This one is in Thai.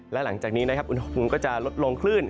และหลังจากนี้นะครับอุณหภูมิก็จะลดลงคลื่น